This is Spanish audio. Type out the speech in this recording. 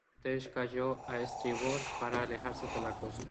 Condell cayó a estribor para alejarse de la costa.